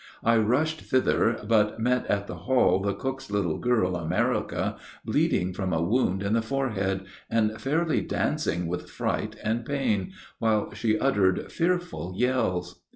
I rushed thither, but met in the hall the cook's little girl America, bleeding from a wound in the forehead, and fairly dancing with fright and pain, while she uttered fearful yells.